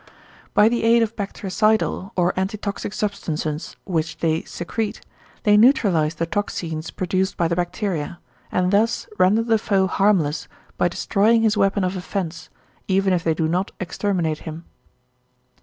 By the aid of bactericidal or antitoxic substances which they secrete, they neutralise the toxines produced by the bacteria, and thus render the foe harmless by destroying his weapon of offence, even if they do not exterminate him.